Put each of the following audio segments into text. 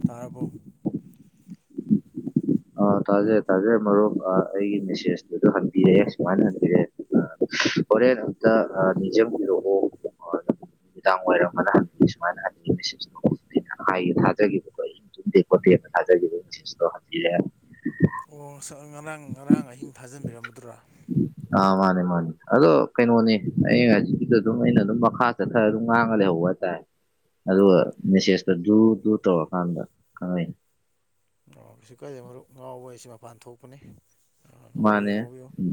ꯇꯥꯔꯕꯣ ꯑꯥ ꯇꯥꯖꯩ ꯇꯥꯖꯩꯦ ꯃꯔꯨꯞ ꯑꯩꯒꯤ ꯃꯦꯁꯦꯁꯇꯨꯗ ꯍꯟꯕꯤꯔꯛꯑꯦ ꯁꯨꯃꯥꯏꯅ ꯍꯟꯕꯤꯔꯛꯑꯦ ꯍꯣꯔꯦ ꯅꯗ ꯖꯝ ꯄꯑꯣ ꯅꯨꯅꯨꯡꯗꯥꯡ ꯑꯣꯏꯔꯝ ꯑꯃꯅ ꯍꯪ ꯁꯨꯃꯥꯏꯅꯦꯦ ꯍꯥꯏ ꯊꯥꯖꯈꯤꯕꯀꯣꯗꯤ ꯈꯣꯇꯦꯅ ꯊꯥꯖꯈꯤꯕꯁꯤꯣ ꯍꯥꯏꯕꯤꯔꯦ ꯑꯣ ꯉꯔꯥꯡ ꯉꯔꯥꯡ ꯑꯍꯤꯡ ꯊꯥꯖꯟꯕꯤꯔꯝꯃꯗ꯭ꯔꯥ ꯑꯥ ꯃꯥꯅꯦ ꯃꯥꯅꯦ ꯑꯗꯣ ꯀꯩꯅꯣꯅꯦ ꯑ ꯉꯁꯤꯒꯤꯗ ꯑꯗꯨꯝ ꯑꯩꯅ ꯑꯗꯨꯝ ꯃꯈꯥ ꯆꯠꯊꯔ ꯑꯗꯨꯝ ꯉꯥꯡꯉ ꯂꯩꯍꯧꯕ ꯍꯥꯏ ꯑꯗꯨꯒ ꯃꯦꯁꯦꯁꯇꯣ ꯇꯧꯔꯀꯥꯟꯗ ꯈꯪꯉꯣꯏꯅꯤ ꯑꯣ ꯀꯁꯨ ꯀꯥꯏꯗꯩ ꯃꯔꯨꯞ ꯉꯥꯎꯕ ꯍꯥꯏꯁꯤ ꯃꯄꯥꯟ ꯊꯣꯛꯄꯅꯤ ꯑ ꯉꯕꯤꯌ ꯃꯥꯅꯦ ꯉꯕꯤꯌꯣ ꯎꯝ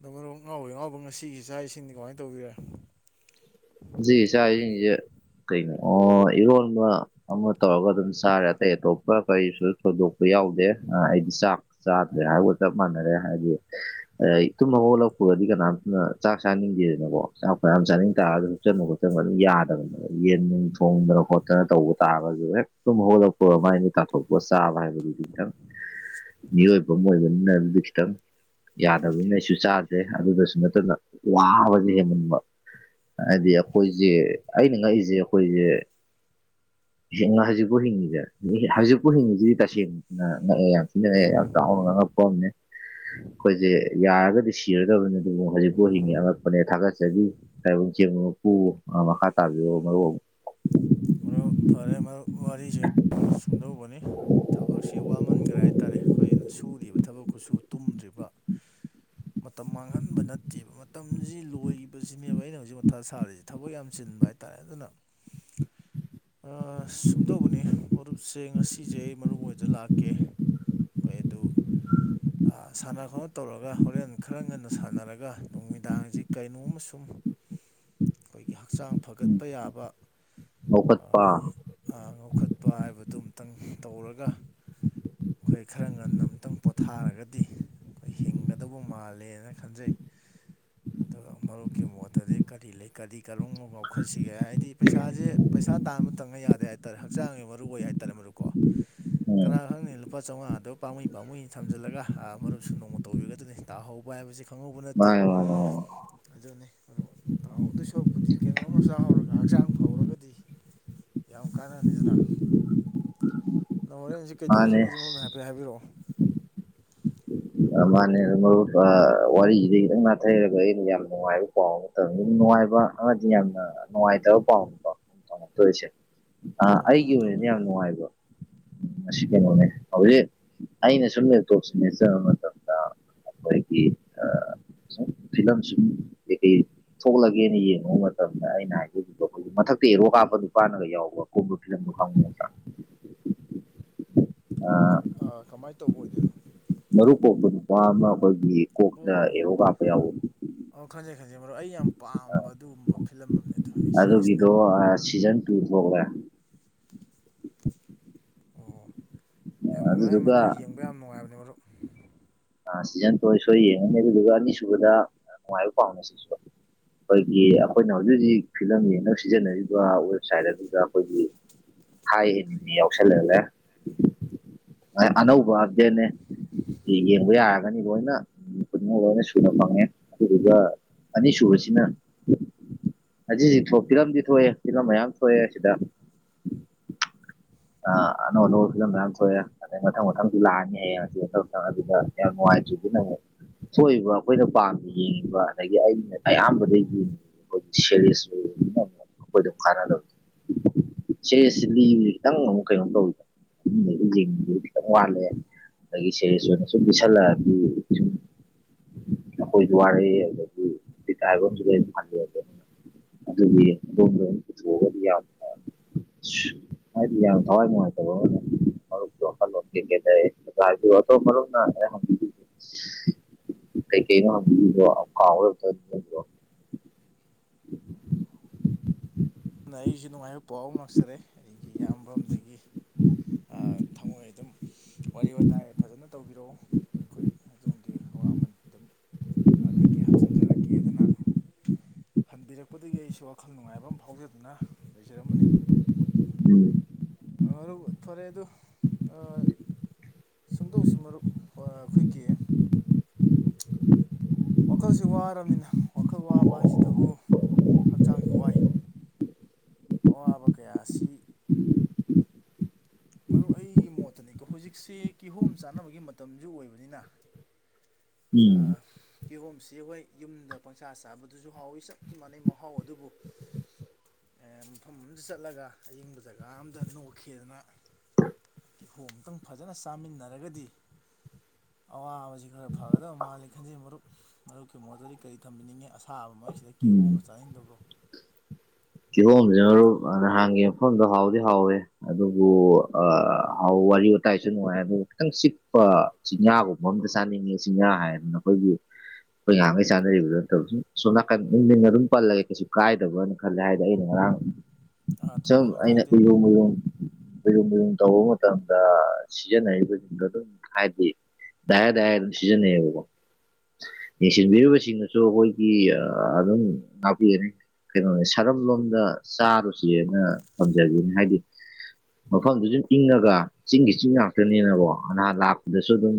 ꯗꯅꯣ ꯉꯉꯥꯎꯕꯩ ꯉꯉꯥꯎꯕ ꯉꯁꯤꯒꯤ ꯏꯥꯛ ꯏꯁꯤꯡꯗꯤ ꯀꯃꯥꯏꯅ ꯇꯧꯕꯤꯔꯦ ꯆ ꯀꯩꯅꯣ ꯑꯣ ꯏꯔꯣꯟꯕ ꯑꯃ ꯇꯧꯔꯒ ꯑꯗꯨꯝ ꯆꯥꯔꯦ ꯑꯇꯩ ꯑꯇꯣꯞꯄ ꯀꯔꯤꯁꯨ ꯁꯣꯏꯗꯣꯛꯄ ꯌꯥꯎꯗꯦ ꯑꯩꯗꯤ ꯆꯥꯛ ꯆꯥꯗ꯭ꯔꯦ ꯍꯥꯏꯕꯒ ꯆꯞ ꯃꯥꯟꯅꯔꯦ ꯍꯥꯏꯗꯤ ꯇꯨꯝ ꯑꯣꯂꯛꯄ ꯗꯤ ꯀꯅꯥꯝꯇꯅ ꯆꯥꯛ ꯆꯥꯅꯤꯡꯗꯦꯗꯅꯀꯣ ꯆꯥꯛ ꯀꯌꯥꯝ ꯆꯥꯅꯤꯡ ꯇꯥꯔꯗ ꯈꯨꯆꯕ ꯈꯣꯠꯆꯟꯕ ꯑꯗꯨꯝ ꯌꯥꯗꯕꯅꯦꯕ ꯌꯦꯟ ꯅꯨꯡ ꯊꯣꯡꯗꯅ ꯈꯣꯠꯇꯅ ꯇꯧꯕ ꯇꯥꯔꯒꯁꯨ ꯍꯦꯛ ꯑꯗꯨꯨꯝ ꯍꯧꯒꯠꯂꯛꯄ ꯃꯥꯏꯅ ꯇꯥꯊꯣꯛꯄ ꯆꯥꯕ ꯍꯥꯏꯕꯗꯨ ꯈꯤꯇꯪ ꯃꯤꯑꯣꯏꯕ ꯑꯃ ꯑꯣꯏꯕꯅꯤꯅ ꯑꯗꯨ ꯈꯤꯇꯪ ꯌꯥꯗꯕꯅꯤꯅ ꯑꯩꯁꯨ ꯆꯥꯗ꯭ꯔꯦ ꯑꯗꯨꯗꯁꯨ ꯅꯠꯇꯅ ꯋꯥꯕꯁꯦ ꯍꯦꯟꯃꯟꯕ ꯍꯥꯏꯗꯤ ꯑꯩꯈꯣꯏꯁꯦ ꯑꯩꯅ ꯉꯛꯏꯁꯦ ꯑꯩꯈꯣꯏꯁꯦ ꯍꯧꯖꯤꯛꯄꯨ ꯍꯤꯡꯉꯤꯤꯁꯦ ꯍꯧꯖꯤꯛꯄꯨ ꯍꯤꯡꯉꯤꯁꯤꯗꯤ ꯇꯁꯦꯡꯅꯅ ꯉꯛꯑꯦ ꯌꯥꯝ ꯊꯤꯅꯛꯑꯦ ꯌꯥꯝ ꯆꯥꯎ [inaudible] ꯑꯩꯈꯣꯏꯁꯦ ꯌꯥꯔꯒꯗꯤ ꯁꯤꯔꯗꯕꯅꯤ ꯑꯗꯨꯕꯨ ꯍꯧꯖꯤꯛꯄꯨ ꯍꯤꯡꯉꯤ ꯑꯉꯛꯄꯅꯦ ꯊꯥꯒꯠꯆꯈꯤ ꯍꯥꯏꯕ ꯄꯨ ꯃꯈꯥ ꯇꯥꯕꯤꯌꯣ ꯃꯔꯨ ꯑꯃꯨꯛ ꯃꯔ ꯐꯔꯦ ꯋꯥꯔꯤꯁꯦ ꯁꯨꯝꯗꯧꯕꯅꯤ ꯊꯕ ꯀꯦ ꯋꯥꯃꯟꯈ꯭ꯔꯦ ꯍꯥꯏ ꯇꯥꯔꯦ ꯑꯩꯈꯣꯏꯅ ꯁꯨꯔꯤꯕ ꯊꯕꯛꯀꯨꯁꯨ ꯇꯨꯝꯗ꯭ꯔꯤꯕ ꯃꯇꯝ ꯃꯥꯡꯍꯟꯕ ꯅꯠꯇꯦꯕ ꯃꯇꯝꯁꯤ ꯂꯣꯏꯈꯤꯕꯁꯤꯅꯦꯕ ꯑꯩꯅ ꯍꯧꯖꯤꯛ ꯃꯊꯥ ꯁꯥꯔꯤꯁꯦ ꯊꯕꯛ ꯌꯥꯝ ꯆꯤꯟꯕ ꯍꯥꯏꯇꯥꯔꯦ ꯑꯗꯨꯅ ꯁꯨꯝꯗꯧꯕꯅꯤ ꯃꯔꯨꯞꯁꯦ ꯉꯁꯤꯁꯦ ꯑꯩ ꯃꯔꯨ ꯑꯣꯏꯏꯗ ꯂꯥꯛꯀꯦ ꯑꯩꯈꯣꯏ ꯑꯗꯨ ꯁꯥꯟꯅ ꯈꯣꯠꯅꯕ ꯇꯧꯔꯒ ꯍꯣꯔꯦꯟ ꯈꯔ ꯉꯟꯅ ꯁꯥꯟꯅꯔꯒ ꯅꯨꯃꯤꯗꯥꯡꯁꯤ ꯀꯩꯅꯣꯝ ꯁꯨꯝ ꯑꯩꯈꯣꯏꯒꯤ ꯍꯛꯆꯥꯡ ꯐꯒꯠꯄ ꯌꯥꯕ ꯑꯣꯈꯠꯄꯥ ꯆꯠꯄ ꯍꯥꯏꯕꯗꯨ ꯑꯃꯨꯇꯪ ꯇꯧꯔꯒ ꯑꯩꯈꯣꯏ ꯈꯔ ꯉꯟꯅ ꯑꯃꯨꯇꯪ ꯄꯣꯊꯥꯔꯒꯗꯤ ꯑꯩꯈꯣꯏ ꯍꯤꯡꯒꯗꯧꯕ ꯃꯥꯜꯂꯦꯅ ꯈꯟꯖꯩ ꯑꯗꯨꯒ ꯃꯔꯨꯞꯀꯤ ꯃꯣꯠꯇꯗꯤ ꯀꯔꯤ ꯂꯩ ꯀꯔꯤ ꯀꯧꯅꯣ ꯉꯥꯎꯈꯠꯁꯤꯒꯦ ꯍꯥꯏꯕꯗꯤ ꯄꯩꯁꯥꯁꯦ ꯄꯩꯁꯥ ꯇꯥꯟꯕ ꯇꯪꯅ ꯌꯥꯗꯦ ꯍꯥꯏꯇꯥꯔꯦ ꯍꯛꯆꯥꯡꯒꯤ ꯃꯔꯨ ꯑꯣꯏ ꯍꯥꯏꯇꯥꯔꯦ ꯃꯔꯨꯀꯣ ꯎꯝ ꯀꯅꯥ ꯈꯪꯅꯤ ꯂꯨꯄꯥ ꯆꯥꯝꯃꯉꯥꯗ ꯄꯥꯝꯃꯩ ꯄꯥꯝꯃꯏꯅꯤ ꯊꯝꯖꯤꯜꯂꯒ ꯑꯥ ꯃꯔꯨꯞꯁꯨ ꯅꯣꯡꯃ ꯇꯧꯕꯤꯒꯗꯅꯤ ꯇꯥꯍꯧꯕ ꯍꯥꯏꯕꯁꯤ ꯈꯪꯦ ꯈꯪꯍꯧꯕ ꯅꯠꯇꯦ ꯃꯥꯅꯦ ꯑꯗꯨꯅꯤ ꯑꯗꯨꯒ ꯇꯥꯍꯧꯗ ꯁꯣꯛꯛꯄꯨꯗꯤ ꯀꯩꯅꯣꯝꯃ ꯆꯥꯎꯥꯍꯧꯔꯒ ꯍꯛꯆꯥꯡ ꯐ ꯍꯧꯔꯒꯗꯤ ꯌꯥꯝ ꯀꯥꯟꯅꯅꯤꯗꯅ ꯇꯥ ꯍꯣꯔꯦꯟ ꯁꯤ ꯃꯥꯅꯦ ꯀꯩꯗꯧꯒꯦꯣ ꯍꯥꯏꯐꯦ ꯍꯥꯏꯕꯤꯛꯑꯣ ꯃꯥꯅꯦ ꯃꯥꯅꯦ ꯋꯥꯔꯤꯁꯤꯗꯩ ꯈꯤꯇꯪ ꯅꯥꯊꯩꯔꯒ ꯑꯩꯅ ꯌꯥꯝ ꯅꯨꯡꯉꯥꯏꯕ ꯄꯥꯎ ꯑꯃ ꯃꯇꯝ ꯑꯗꯨ ꯅꯨꯡꯉꯥꯏꯕ ꯌꯥꯝꯅ ꯅꯣꯉꯥꯏꯗ ꯄꯥꯎꯛꯇꯁ ꯑꯥ ꯑꯩꯒꯤ ꯇꯝꯕꯤꯌꯨꯃ ꯑꯣꯏꯅꯗꯤ ꯇꯝꯕꯤꯌꯨ ꯌꯥꯝ ꯅꯨꯡꯉꯥꯏꯕ ꯁꯤ ꯀꯦꯣꯅꯦ ꯍꯧꯗꯤ ꯑꯩꯅ ꯁꯃꯦ ꯇꯣꯁꯤꯅꯦꯦ ꯑ ꯑꯣꯏꯒꯤ ꯑ ꯁꯨꯝ ꯐꯤꯂꯝꯁꯤ ꯀꯩ ꯀꯩ ꯊꯣꯛꯂꯒꯦꯅ ꯌꯦꯡꯉꯨꯕ ꯃꯇꯝꯗ ꯑꯩꯅ ꯍꯥꯏꯕꯣ ꯃꯊꯛꯇ ꯑꯦꯔꯣ ꯀꯥꯞꯄꯗꯨ ꯄꯥꯟꯅꯒ ꯌꯥꯎꯕ ꯀꯣꯕ ꯐꯤꯂꯝꯗꯨꯣ ꯈꯪꯉ ꯅꯠꯇ꯭ꯔꯥ ꯀꯃꯥꯏꯅ ꯇꯧꯕ ꯑꯣꯏꯗꯣꯏꯅꯣ ꯃꯔꯨꯞ ꯀꯣꯛꯄ ꯅꯨꯄꯥ ꯑꯃ ꯑꯩꯈꯣꯏꯒꯤ ꯀꯣꯛꯅ ꯑꯦꯔꯣ ꯀꯥꯞꯄ ꯌꯥꯎꯕ ꯑꯣ ꯈꯟꯖꯩ ꯈꯟꯖꯩ ꯃꯔꯣꯏ ꯑꯩ ꯌꯥꯝ ꯄꯥꯝꯕ ꯑꯗꯨꯒꯨꯝꯕ ꯐꯤꯂꯝ ꯑꯃꯅꯦꯗꯣ ꯁꯦꯁꯅꯦ ꯇ ꯐ ꯑꯣ ꯌꯥꯝ ꯅꯨꯡꯉꯥꯏ ꯃꯗꯨ ꯑꯗꯨꯗꯨꯒ ꯌꯦꯡꯕ ꯌꯥꯝ ꯅꯨꯡꯉꯥꯏꯕꯅꯦ ꯃꯔꯨꯞ ꯁꯤꯖꯟ ꯇꯣ ꯑꯩ ꯁꯣꯏ ꯌꯦꯡꯉꯅꯤ ꯑꯗꯨꯗꯨꯒ ꯑꯅꯤꯁꯨꯕꯗ ꯅꯨꯡꯉꯥꯏꯕ ꯄꯥꯎꯅꯤ ꯁꯤꯁꯨ ꯑꯩꯈꯣꯏꯒꯤ ꯑꯩꯈꯣꯏꯅ ꯍꯧꯖꯤꯛ ꯍꯧꯖꯤꯛ ꯐꯤꯂꯝ ꯌꯦꯅ ꯁꯤꯖꯤꯟꯅꯔꯤꯕ ꯋꯦꯕꯁꯥꯏꯠ ꯑꯗꯨꯗ ꯑꯩꯈꯣꯏꯒꯤ ꯍ ꯍꯅꯤ ꯌꯥꯧꯁꯜ ꯂꯩ ꯑꯅꯧꯕꯒꯦꯅꯦ ꯌꯦꯡꯕ ꯌꯥꯔꯒꯅꯤ ꯂꯣꯏꯅ ꯃꯤ ꯈꯨꯗꯤꯡꯃꯛ ꯂꯣꯏꯅ ꯁꯨꯅ ꯐꯪꯉꯦ ꯑꯗꯨꯗꯨꯒ ꯑꯅꯤꯁꯨꯨ ꯑꯣꯏꯁꯤ ꯅ ꯍꯧꯖꯤꯛ ꯍꯧꯖꯤꯛ ꯐꯤꯂꯝꯗꯤ ꯊꯣꯛꯑꯦ ꯐꯤꯂꯝ ꯃꯌꯥꯝ ꯊꯣꯛꯑꯦ ꯑꯁꯤꯗ ꯑ ꯑꯅꯧ ꯑꯅꯧꯕ ꯐꯤꯂꯝ ꯃ ꯌꯥꯝ ꯁꯣꯏꯑꯦ ꯑꯗꯩ ꯃꯊꯪ ꯃꯊꯪꯁꯨ ꯂꯥꯛꯑꯅꯤ ꯍꯥꯏꯌꯦ ꯉ ꯃꯊ ꯃꯊꯪ ꯑꯗꯨꯗ ꯌꯥꯝ ꯅꯨꯡꯉꯥꯏ ꯅ ꯊꯣꯛꯏꯕ ꯑꯩꯈꯣꯏꯅ ꯄꯥꯝꯅ ꯌꯦꯡꯉꯤꯕ ꯑꯗꯒꯤ ꯑꯩꯅ ꯑꯌꯥꯝꯕꯗ ꯌꯦꯡꯉ ꯑꯩꯈꯣꯏ ꯁꯦꯔꯤꯁ [inaudible] ꯣꯏ ꯑꯗꯨ ꯈꯔꯗ [inaudible] ꯆꯦ ꯁꯤꯂꯤ ꯈꯤꯇꯪ ꯑꯃꯨꯛ ꯀꯩꯅꯣ ꯇꯧꯋꯤꯗ ꯃꯤꯅ ꯗꯨ ꯌꯦꯡꯅꯤꯡꯕ ꯈꯤꯇꯪ ꯋꯥꯠꯂꯦ꯫ ꯗꯒꯤ ꯁꯦꯔꯤꯁ ꯑꯣꯏꯅ ꯁꯨꯝ [unintelligible] ꯑꯩꯈꯣꯏ ꯋꯥꯔꯦ ꯑꯗꯥꯒꯤ [unintelligible] ꯑꯗꯨꯒꯤ ꯑꯗꯣꯝꯗ ꯄꯨꯊꯣꯛꯑꯒꯗꯤ ꯌꯥꯝꯅ ꯍꯥꯏꯗꯤ ꯌꯥꯝ ꯊꯋꯥꯏ ꯅꯨꯡꯉꯥꯏꯇꯕ [unintelligible] ꯀꯩ ꯀꯩꯅ ꯍꯪꯕꯤꯔꯤꯕꯣ ꯀꯥꯎꯒꯔ꯭ꯦ [unintelligible] [inaudible] ꯑꯗꯨ ꯑꯩꯁꯨ ꯅꯨꯡꯉꯥꯏꯕ ꯄꯥꯎ ꯉꯥꯛꯆꯔꯦ ꯑꯩꯒꯤ ꯏꯌꯥꯝꯕꯝꯗꯒꯤ꯫ ꯑ ꯊꯃꯣꯏ ꯑꯗꯨꯝ ꯋꯥꯔꯤ ꯋꯥꯇꯥꯏ ꯐꯖꯅ ꯇꯧꯕꯤꯔꯛꯑꯣ ꯑꯩꯈꯣꯏ ꯑꯗꯣꯝꯒꯤ ꯑꯋꯥꯃꯟ ꯑꯗꯨꯝ ꯀꯩꯀꯩ ꯍꯥꯞꯆꯤꯟꯖꯔꯛꯀꯦꯗꯅ ꯍꯟꯕꯤꯔꯛꯄꯗꯒꯤ ꯑꯩꯁꯨ ꯋꯥꯈꯜ ꯅꯨꯡꯉꯥꯏꯕ ꯐꯥꯎꯖꯗꯨꯅ ꯂꯩꯖꯔꯝꯕꯅꯤ꯫ [unintelligible] ꯃꯔ ꯊꯣꯔꯦ ꯗꯨ ꯑ ꯁꯨꯝꯗꯧꯁꯤ ꯃꯔꯨꯞ ꯑ ꯈꯣꯏꯒꯤ ꯋꯥꯈꯜꯁꯤ ꯋꯥꯔꯕꯅꯤꯅ ꯋꯥꯈꯜ ꯋꯥꯕ ꯍꯥꯏꯁꯤꯗꯕꯨ ꯍꯛꯆꯥꯡꯁꯨ ꯋꯥꯏ꯫ ꯑꯋꯥꯕ ꯀꯌꯥ ꯑꯁꯤ ꯃꯔꯨ ꯑꯩꯒꯤ ꯃꯣꯠꯇꯅꯤꯀꯣ ꯍꯧꯖꯤꯛꯁꯤ ꯀꯤꯍꯣꯝ ꯆꯥꯅꯕꯒꯤ ꯃꯇꯝꯖꯨ ꯑꯣꯏꯕꯅꯤꯅ ꯎꯝ ꯀꯤꯍꯣꯝꯁꯤ ꯍꯣꯏ ꯌꯨꯝꯗ ꯄꯪꯆꯥ ꯆꯥꯕꯗꯨꯁꯨ ꯍꯥꯎꯋꯤ ꯆꯞ ꯇꯤ ꯃꯥꯟꯅꯩ ꯃꯍꯥꯎ ꯑꯗꯨꯕꯨ ꯑ ꯃꯐꯝ ꯑꯝꯗ ꯆꯠꯂꯒ ꯑꯌꯤꯡꯕ ꯖꯒꯥ ꯑꯝꯗ ꯅꯣꯛꯈꯤꯗꯅ ꯏꯈꯣꯝ ꯑꯃꯇꯪ ꯐꯖꯅ ꯆꯥꯃꯤꯟꯅꯔꯒꯗꯤ ꯑꯋꯥꯕꯁꯤ ꯈꯔ ꯐꯒꯗꯕ ꯃꯥꯜꯂꯤ ꯈꯟꯖꯩ ꯃꯔꯨꯞ ꯃꯔꯨꯞꯀꯤ ꯃꯣꯠꯇꯗꯤ ꯀꯔꯤ ꯊꯝꯕꯤꯅꯤꯡꯉꯦ ꯑꯁꯥꯕ ꯃ ꯁꯤꯗ ꯀꯤꯍꯣꯡꯒ ꯆꯥꯅꯤꯡꯗꯕ꯭ꯔꯣ? ꯀꯤꯍꯣꯝꯁꯤ ꯃꯔꯨꯞ ꯅꯍꯥꯟꯒꯤ ꯃꯐꯝꯗꯣ ꯍꯥꯎꯗꯤ ꯍꯥꯎꯋꯦ ꯑꯗꯨꯕꯨ ꯑ ꯍꯥꯎ ꯋꯥꯔꯤ ꯋꯥꯇꯥꯏꯁꯨ ꯅꯨꯡꯉꯥꯏ ꯑꯗꯨꯒ ꯈꯤꯇꯪ ꯆꯤꯛꯄ ꯆꯤꯡꯌꯥꯒꯨꯝꯕ ꯑꯝꯗ ꯆꯥꯅꯤꯡꯉꯦ ꯆꯤꯡꯌꯥ ꯍꯥꯏꯗꯤ ꯅꯈꯣꯏꯒꯤ ꯑꯩꯈꯣꯏ ꯉꯍꯥꯡꯈꯩ ꯆꯥꯟꯅꯔꯤꯕꯗꯣ ꯅꯠꯇꯕ ꯁꯨꯝ ꯁꯣꯝ ꯅꯥꯀꯟ ꯃꯤꯡ ꯑꯗꯨꯝ ꯄꯜꯂꯒꯦ ꯀꯩꯁꯨ ꯀꯥꯏꯗꯕꯅ ꯈꯜꯂꯦ ꯍꯥꯏꯗꯤ ꯑꯩꯅ ꯉꯔꯥꯡ ꯑꯥ ꯁꯨꯝ ꯊꯣꯏꯗꯣꯛꯅ ꯑꯩꯅ [unintelligible] ꯀꯥꯏꯗꯦ ꯎꯏꯔꯨꯝ ꯎꯏꯔꯨꯃ ꯇꯧꯕ ꯃꯇꯝꯗ ꯁꯤꯖꯤꯟꯅꯔꯤꯕꯁꯤꯡꯗꯣ ꯗꯨꯝ ꯍꯥꯏꯗꯤ ꯗꯥꯏ ꯗꯥꯢ ꯑꯗꯨꯝ ꯁꯤꯖꯟꯅꯩꯌꯦꯕꯀꯣ꯫ ꯌꯦꯡꯁꯤꯟꯕꯤꯔꯤꯕꯁꯤꯡꯅꯁꯨ ꯑꯈꯣꯏꯒꯤ ꯑꯗꯨꯝ ꯉꯥꯛꯄꯤꯒꯅꯤ ꯀꯩꯅꯣꯅꯤ ꯈꯔꯝ ꯂꯣꯝꯗ ꯆꯥꯔꯨꯁꯤꯅ ꯊꯝꯖꯒꯅꯤ ꯍꯥꯏꯗꯤ ꯃꯐꯝꯗꯨ ꯁꯨꯝ ꯏꯪꯉꯒ ꯆꯤꯡꯒꯤ ꯆꯤꯡ ꯉꯥꯛꯇꯅꯦꯅꯀꯣ ꯅꯍꯥ ꯂꯥꯛꯄꯗꯁꯨ ꯗꯨꯝ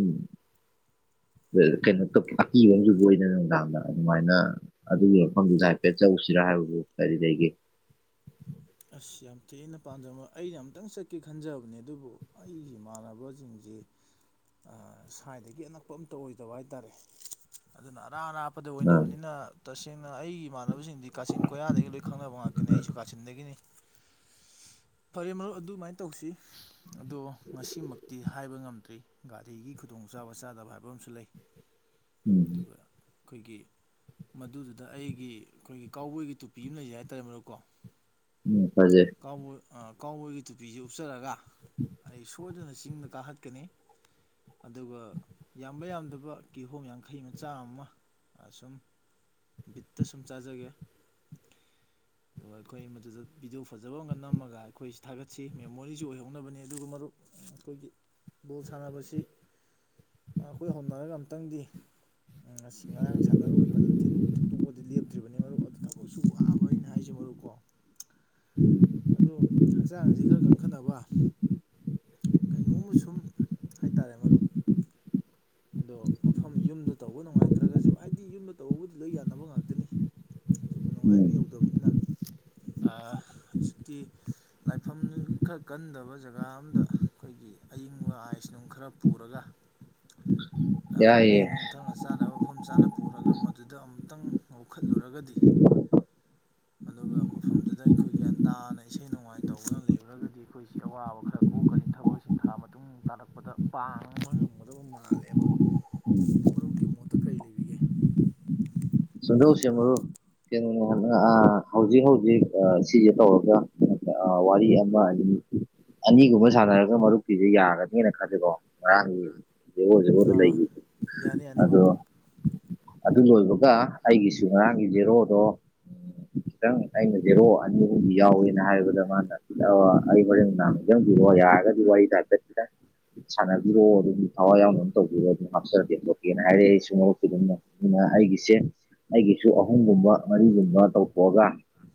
[unintelligible] ꯀꯩꯅꯣ ꯇꯨꯞ ꯑꯀꯤꯕ ꯑꯃꯁꯨ ꯄꯣꯛꯏꯗꯅ ꯅꯨꯡꯗꯥꯡꯗ ꯑꯗꯨꯃꯥꯏꯅ ꯑꯗꯨꯒꯤ ꯃꯐꯝꯗꯨꯗ ꯍꯥꯏꯐꯦꯠ ꯆꯧ ꯁꯤꯔꯥ ꯍꯥꯏꯕꯕꯨ ꯀꯔꯤ ꯂꯩꯒꯦ꯫ [inaudible] ꯑꯁ ꯌꯥꯝ ꯊꯤꯅ ꯄꯥꯟꯗꯕ ꯑꯩꯩꯅ ꯑꯝꯇꯪ ꯆꯠꯀꯦ ꯈꯟꯖꯕꯅꯦ ꯑꯗꯨꯕꯨ ꯑꯩꯒꯤ ꯏꯃꯥꯟꯅꯕꯖꯤꯡꯖꯦ ꯑ ꯁ꯭ꯋꯥꯏꯗꯒꯤ ꯑꯅꯛꯄ ꯑꯝꯇ ꯑꯣꯏꯗꯕ ꯍꯥꯏꯇꯥꯔꯦ ꯑꯗꯨꯅ ꯑꯔꯥꯞ ꯑꯔꯥꯞ ꯄꯗ ꯑꯥ ꯑꯣꯏꯅꯕꯅꯤꯅ ꯇꯁꯦꯡꯅ ꯑꯩꯒꯤ ꯏꯃꯥꯟꯅꯕꯁꯤꯡꯗꯤ ꯀꯥꯆꯤꯟ ꯀꯣꯏꯌꯥꯗꯒꯤ ꯂꯣꯏ ꯈꯪꯅꯕ ꯉꯥꯛꯇꯅꯤ ꯑꯩꯁꯨ ꯀꯥꯆꯤꯟꯗꯒꯤꯅꯤ꯫ [unintelligible] ꯐꯔꯦ ꯃꯔꯨꯞ ꯑꯗꯨꯃꯥꯏꯅ ꯇꯧꯁꯤ ꯑꯗꯣ ꯉꯁꯤꯃꯛꯇꯤ ꯍꯥꯏꯕ ꯉꯝꯗ꯭ꯔꯤ ꯒꯥꯔꯤꯒꯤ ꯈꯨꯗꯣꯡꯁꯨ ꯆꯕ ꯆꯥꯗꯕ ꯍꯥꯏꯕꯝꯁꯨ ꯂꯩ꯫ ꯎꯝ ꯈꯣꯏꯒꯤ ꯃꯗꯨꯗꯨꯗ ꯑꯩꯒꯤ ꯑꯩꯈꯣꯏꯒꯤ ꯀꯥꯎꯕꯣꯏꯒꯤ ꯇꯨꯄꯤ ꯑꯃ ꯂꯩꯖꯩ ꯍꯥꯏꯇꯥꯔꯦ ꯃꯔꯨꯞꯀꯣ ꯎꯝ ꯐꯖꯦ ꯑ ꯀꯥꯎꯕꯣꯏꯒꯤ ꯇꯨꯄꯤꯁꯦ ꯎꯞꯆꯔꯒ ꯑꯩ ꯁꯣꯏꯗꯅ ꯆꯤꯡꯗ ꯀꯥꯈꯠꯀꯅꯤ꯫ ꯑꯗꯨꯒ ꯌꯥꯝꯕ ꯌꯥꯝꯗꯕ ꯀꯤꯍꯣꯝ ꯌꯥꯡꯈꯩ ꯃ ꯆꯥꯃ ꯃ ꯁꯨꯝ ꯕꯤꯠꯇ ꯁꯨꯝ ꯆꯥꯖꯒꯦ꯫ ꯑꯗꯨꯒꯈꯣꯏ ꯃꯗꯨ ꯚꯤꯗꯤꯑꯣ ꯐꯖꯕ ꯑꯃꯒ ꯅꯝꯃꯒ ꯑꯩꯈꯣꯏꯁꯤ ꯊꯥꯒꯠꯁꯤ ꯃꯦꯃꯣꯔꯤꯁꯨ ꯑꯣꯏꯍꯧꯅꯕꯅꯤ ꯑꯗꯨꯒ ꯃꯔꯨꯞ ꯑꯩꯈꯣꯏꯒꯤ ꯕꯣꯜ ꯁꯥꯟꯅꯕꯁꯤ ꯑꯩꯈꯣꯏ ꯍꯣꯠꯅꯔꯒ ꯑꯝꯛꯇꯪꯗꯤ ꯎ ꯉ ꯉꯔꯥꯡ ꯁꯥꯟꯅꯔꯨꯣꯏ ꯐꯖꯅ ꯊꯤꯟꯗꯣꯛꯑꯗꯤ ꯂꯦꯞꯇ꯭ꯔꯤꯕꯅꯤ ꯃꯔꯨꯞ ꯑꯗꯨ ꯊꯕꯛꯁꯨ ꯋꯥꯕ ꯑꯩꯅ ꯍꯥꯏꯖ ꯃꯔꯨꯀꯣ ꯎꯝ ꯑꯗꯨ ꯍꯛꯆꯥꯡ ꯑꯁꯤ ꯈꯔ ꯀꯟꯈꯠꯅꯕ ꯀꯩꯅꯣꯝꯃ ꯁꯨꯝ ꯍꯥꯏꯇꯥꯔꯦ ꯃꯔꯨꯞ ꯑꯗꯣ ꯃꯐꯝ ꯌꯨꯝꯗ ꯇꯧꯕ ꯅꯨꯡꯉꯥꯏꯇ꯭ꯔꯒꯁꯨ ꯍꯥꯏꯗꯤ ꯌꯨꯝꯗ ꯇꯧꯕꯕꯨꯗꯤ ꯂꯣꯏ ꯌꯥꯅꯕ ꯉꯥꯛꯇꯅꯤ ꯑꯗꯨꯕꯨ ꯅꯨꯡꯉꯥꯏꯕ ꯎꯝ ꯌꯧꯗꯕꯅꯤꯅ ꯍꯧꯖꯤꯛꯇꯤ ꯂꯥꯏꯐꯝ ꯈꯔ ꯀꯟꯗꯕ ꯖꯒꯥ ꯑꯝꯗ ꯑꯩꯈꯣꯏꯒꯤ ꯑꯏꯪꯕ ꯑꯥꯏꯁ ꯅꯨꯡ ꯈꯔ ꯄꯨꯔꯒ ꯄ꯭ꯂꯂꯤ ꯌꯥꯏꯌꯦ ꯅꯨꯡꯊꯪꯒ ꯆꯥꯅꯕ ꯃꯐꯝ ꯆꯥꯅ ꯄꯨꯔꯒ ꯃꯗꯨꯗ ꯑꯃꯨꯛꯇꯪ ꯂꯧꯈꯠꯂꯨꯔꯒꯗꯤ ꯑꯗꯨꯒ ꯃꯐꯝꯗꯨꯗ ꯑꯩꯈꯣꯏ ꯒ꯭ꯌꯥꯟ ꯇꯥꯅ ꯏꯁꯩ ꯅꯣꯡꯃꯥꯏ ꯇꯧꯅ ꯂꯩꯔꯒꯗꯤ ꯑꯩꯈꯣꯏꯁꯤ ꯑꯋꯥꯕ ꯈꯔ ꯀꯣꯛꯀꯅꯤ ꯑꯩ ꯊꯕꯛꯁꯤꯡ ꯊꯥ ꯃꯇꯨꯡ ꯇꯥꯔꯛꯄꯗ ꯄꯥꯡꯉꯕ ꯉꯝꯒꯗꯕ ꯃꯥꯜꯂꯦꯕ ꯑꯗ ꯃꯔꯨꯞꯀꯤ ꯃꯣꯠꯇ ꯀꯔꯤ ꯂꯩꯕꯤꯒꯦ ꯁꯨꯗꯣꯁ ꯑꯃ ꯀꯩꯅꯣ ꯍꯥꯏꯅ ꯑ ꯍꯧꯖꯤꯛ ꯍꯧꯖꯤꯛ ꯁꯤꯁꯦ ꯇꯧꯔꯒ ꯑ ꯋꯥꯔꯤ ꯑꯃꯃ ꯑꯗꯨ ꯑꯅꯤꯒꯨꯝꯕ ꯁꯥꯟꯅꯔꯒ ꯃꯔꯨꯞꯀꯤꯤꯁꯨ ꯌꯥꯒꯅꯤꯅ ꯈꯜꯂꯦꯀꯣ ꯉꯔꯥꯡꯒꯤ ꯖꯦꯒꯣꯏ ꯖꯦꯒꯣꯏꯗ ꯑꯥ ꯂꯩꯈꯤ ꯌꯥꯅꯤ ꯌꯥꯅꯤ ꯑꯗꯣ ꯃꯔꯨꯞ ꯑꯗꯨ ꯂꯣꯏꯕꯒ ꯑꯩꯒꯤꯁꯨ ꯉꯔꯥꯡꯒꯤ ꯖꯦꯔꯣꯗꯣ ꯈꯤꯇꯪ ꯑꯩꯅ ꯖꯦꯔꯣ ꯑꯅꯤ ꯑꯍꯨꯝꯗꯤ ꯌꯥꯎꯋꯦꯅ ꯍꯥꯏꯕꯗ ꯃꯥꯅ ꯑꯩ ꯋꯥꯣꯔꯦꯡ ꯗꯥꯅꯥ ꯈꯤꯇꯪ ꯋꯥ ꯌꯥꯔꯒ ꯋꯥꯏ ꯊ ꯁꯤ ꯁꯥꯟꯅꯕꯤꯔꯣꯑꯣ ꯑꯗꯨꯝ ꯊꯋꯥꯏ ꯌꯥꯎꯅ ꯑꯗꯨꯝ ꯇꯧꯕꯤꯔꯣ ꯑꯗꯨꯝ ꯍꯥꯞꯆꯦ ꯂꯣꯀꯦꯅ ꯍꯥꯏꯔꯛꯦ ꯑꯩ ꯁꯨꯡ ꯃꯔꯣꯛ ꯑꯗꯨꯝ ꯑꯩꯒꯤꯁꯦ ꯑꯩꯒꯤꯁꯨ ꯑꯍꯨꯝꯒꯨꯝꯕ ꯃꯔꯤꯒꯨꯝꯕ ꯇꯧꯊꯣꯛꯑꯒ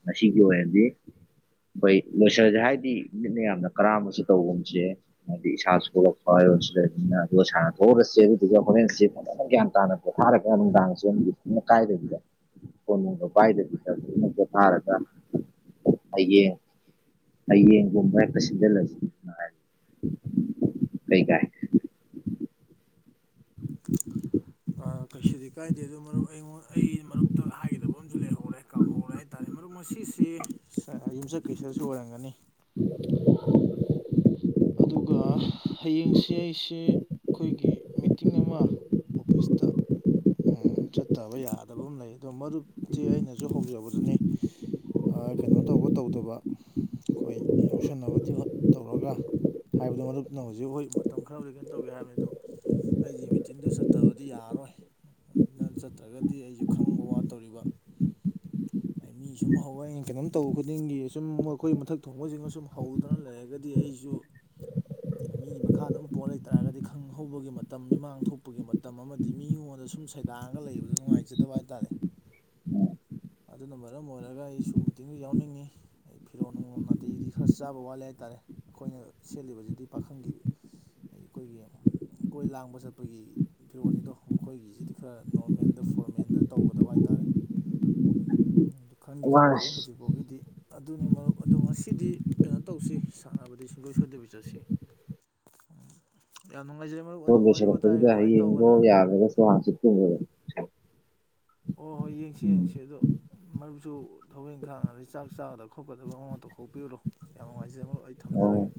ꯉꯁꯤꯒꯤ ꯑꯣꯏꯅꯗꯤ ꯑꯩꯈꯣꯏ ꯂꯣꯏꯁꯜꯁꯦ ꯍꯥꯏꯗꯤ ꯃꯤꯠꯅ ꯌꯥꯝꯅ ꯀꯔꯝꯝꯕꯁꯨ ꯇꯧꯐꯝꯁꯦ ꯍꯥꯏꯗꯤ ꯏꯁꯥꯁꯨ ꯊꯣꯛꯂꯛꯄ ꯑꯗꯨꯒ ꯁꯥꯟꯅ ꯊꯣꯛꯎꯔꯁꯦ ꯑꯗꯨꯗꯨꯒ ꯍꯣꯔꯦꯟꯁꯦ ꯐꯅ ꯒ꯭ꯌꯥꯟ ꯇꯥꯅ ꯄꯣꯊꯥꯔꯒ ꯅꯨꯡꯗꯥꯡꯁꯦ ꯃꯀꯥꯏꯕꯤꯗ ꯀꯣꯅꯨꯡꯒꯄꯥꯏꯕꯤꯗ ꯄꯣꯊꯥꯔꯒ ꯍꯌꯦꯡ ꯍꯌꯦꯡꯒꯨꯝꯕ ꯍꯦꯛꯇ ꯁꯤꯖꯤꯜꯂꯒ ꯀꯩ ꯀꯥꯏ ꯀꯩꯁꯨꯗꯤ ꯀꯥꯏꯗꯦ ꯑꯗꯨ ꯃꯔꯨꯞ ꯑꯩꯉꯣꯟ ꯑꯩ ꯃꯔꯨꯞꯇ ꯍꯥꯏꯒꯗꯕ ꯑꯃꯁꯨ ꯂꯩꯍꯧꯔꯦ ꯀꯥꯎꯍꯧꯔꯦ ꯍꯥꯏꯇꯥꯥꯔꯦ ꯃꯔꯨꯞ ꯁꯤꯁ ꯌꯨꯝꯆꯠ ꯀꯩꯁꯠꯁꯨ ꯑꯣꯏꯔꯝꯒꯅꯤ [inaudible] ꯑꯗꯨꯒ ꯍꯌꯦꯡꯁꯤ ꯑꯩꯁꯤꯦ ꯑꯩꯈꯣꯏꯒꯤ ꯃꯤꯇꯤꯡ ꯑꯃ ꯑꯣꯐꯤꯁꯇ ꯎꯝ ꯆꯠꯇꯕ ꯌꯥꯗꯕ ꯑꯃ ꯂꯩ ꯑꯗꯣ ꯃꯔꯨꯞꯇꯤ ꯑꯩꯅꯁꯨ ꯍꯧꯖꯕꯗꯨꯅꯤ ꯀꯩꯅꯣ ꯇꯧꯕ ꯇꯧꯗꯕ ꯑꯩꯈꯣꯏ ꯌꯥꯎꯁꯟꯅꯕꯗꯤ ꯇꯧꯔꯒ ꯍꯥꯏꯕꯗꯨꯣ ꯃꯔꯨꯞꯅ ꯍꯧꯖꯤꯛ ꯍꯣꯏ ꯃꯇꯝ ꯈꯔꯕꯨꯗꯤ ꯀꯩꯅꯣ ꯇꯧꯒꯦ ꯍꯥꯏꯕꯅꯤ ꯑꯗꯣ ꯑꯩꯒꯤ ꯃꯤꯇꯤꯡꯗꯨ ꯆꯠꯇꯕꯗꯤ ꯌꯥꯔꯔꯣꯏ ꯑꯗꯨꯅ ꯆꯠꯇ꯭ꯔꯒꯗꯤ ꯑꯩꯁꯨ ꯈꯪꯕ ꯋꯥꯠꯇꯧꯔꯤꯕ [unintelligible] ꯑꯩ ꯃꯤ ꯁꯨꯝ ꯍꯧꯋꯦ ꯑꯩꯅ ꯀꯩꯅꯣꯝ ꯇꯧꯕ ꯈꯨꯗꯤꯡꯒꯤ ꯑꯁꯨꯝ ꯃꯈꯣꯏ ꯃꯊꯛ ꯊꯣꯡꯕꯁꯤꯡꯒ ꯁꯨꯝ ꯍꯧꯗꯨꯅ ꯂꯩꯔꯒꯗꯤ ꯑꯩꯁꯨ [unintelligible] ꯃꯤꯒꯤ ꯃꯈꯥꯗ ꯑꯗꯨꯝ ꯄꯣꯠ ꯂꯩꯇꯥꯥꯔꯒꯗꯤ ꯈꯪ ꯍꯧꯕꯒꯤ ꯃꯇꯝ ꯃꯤꯃꯥꯡ ꯊꯣꯛꯄꯒꯤ ꯃꯇꯝ ꯑꯃꯗꯤ ꯃꯤꯉꯣꯟꯗ ꯁꯨꯝ ꯁꯩꯗꯥꯡꯔꯒ ꯂꯩꯕꯗ ꯅꯨꯡꯉꯥꯏꯖꯗꯕ ꯍꯥꯏꯇꯥꯔꯦ ꯑꯗꯨꯅ ꯃꯔꯝ ꯑꯣꯏꯔꯒ ꯑꯩꯁꯨ ꯃꯤꯇꯤꯡꯗꯨ ꯌꯥꯎꯅꯤꯡꯉꯤ ꯑꯩ ꯐꯤꯔꯣꯟꯜ ꯅꯨꯡꯣ ꯅꯥꯇꯩꯗꯤ ꯈꯔ ꯆꯥꯕ ꯋꯥꯠꯂꯂꯤꯦ ꯍꯥꯏꯇꯥꯔꯦ ꯑꯩꯈꯣꯏꯅ ꯁꯦꯜꯂꯤꯕꯁꯤꯗꯤ ꯄꯥꯈꯪꯒꯤ ꯑꯩꯈꯣꯏꯒꯤ ꯀꯣꯏ ꯂꯥꯡꯕ ꯆꯠꯄꯒꯤ ꯐꯤꯔꯣꯅꯤꯗꯣ ꯃꯈꯣꯏꯒꯤꯁꯤꯗꯤ ꯈꯔ ꯅꯣꯔꯃꯦꯜꯗ ꯐꯣꯔꯃꯦꯜꯗ ꯇꯧꯒꯗꯕ ꯍꯥꯏꯇꯥꯔꯦ ꯎ ꯑꯗꯨ ꯈꯪꯗꯤ ꯈꯪꯗ꯭ꯔꯦ ꯑꯁ ꯍꯧꯖꯤꯛ ꯐꯥꯎꯒꯤꯗꯤ ꯑꯗꯨꯅꯤ ꯃꯔꯨꯞ ꯑꯗꯣ ꯉꯁꯤꯗꯤ ꯀꯩꯅꯣ ꯇꯧꯁꯤ ꯁꯥꯟꯅꯕꯗꯤ ꯣꯏꯁꯗ ꯑꯁꯤ ꯗꯁ ꯐꯗ ꯍꯥꯏ ꯌꯦꯡꯣ ꯌꯥꯔꯒꯁꯨ ꯆ ꯑꯣ ꯍꯣꯏ ꯌꯦꯡꯁꯤ ꯌꯦꯡꯁꯤ ꯑꯗꯣ ꯃꯔꯨꯞꯁꯨ ꯊꯕꯛ ꯏꯪꯈꯥꯡꯅꯗꯤ ꯆꯥꯛ ꯆꯥꯒꯗꯕ ꯆꯥꯎꯈꯣꯠꯀꯗꯕ ꯑꯃꯃꯇꯧ ꯀꯣꯛꯄꯤꯔꯨꯔꯣ ꯌꯥꯝ ꯅꯨꯡꯉꯥꯏꯖꯩ ꯃꯔꯣ ꯑꯩ ꯊꯝꯖꯔꯒꯦ ꯑꯣ